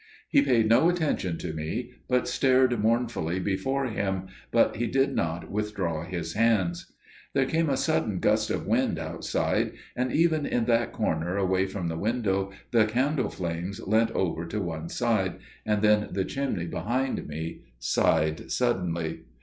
He paid no attention to me, but stared mournfully before him, but he did not withdraw his hands. There came a sudden gust of wind outside; and even in that corner away from the window the candle flames leant over to one side, and then the chimney behind me sighed suddenly.